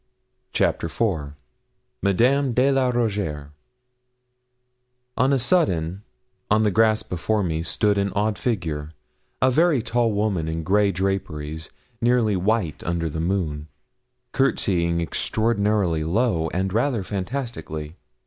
CHAPTER IV MADAME DE LA ROUGIERRE On a sudden, on the grass before me, stood an odd figure a very tall woman in grey draperies, nearly white under the moon, courtesying extraordinarily low, and rather fantastically.